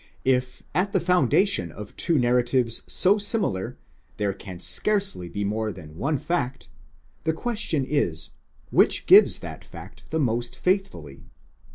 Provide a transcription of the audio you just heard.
If at the foundation of two narratives so similar, there can scarcely be more than one fact,' the question is, which gives that fact the most faithfully?